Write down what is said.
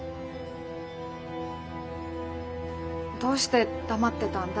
どうして黙ってたんだ？